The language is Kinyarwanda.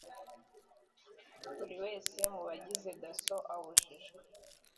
buri wese mu bagize dasso abujijwe